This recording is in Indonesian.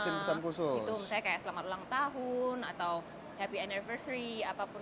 iya akan diantar silesai